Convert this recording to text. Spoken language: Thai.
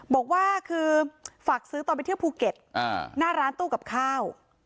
บอกว่าคือฝากซื้อตอนไปเที่ยวภูเก็ตหน้าร้านตู้กับข้าว